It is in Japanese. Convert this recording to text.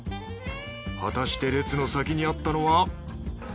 果たして列の先にあったのは。